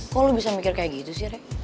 kok lo bisa mikir kayak gitu sih rek